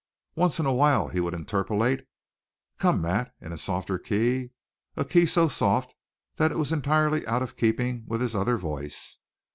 Once in a while he would interpolate a "Come, Matt!" in a softer key a key so soft that it was entirely out of keeping with his other voice.